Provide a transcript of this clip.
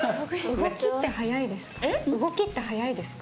動きって速いですか？